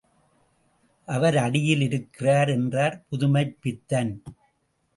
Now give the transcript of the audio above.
அவர் அடியில் இருக்கிறார் என்றார் புதுமைப்பித்தன்.